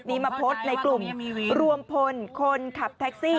อ๋อเนี่ยแหละค่ะ